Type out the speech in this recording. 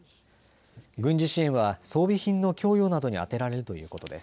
軍事支援は装備品の供与などに充てられるということです。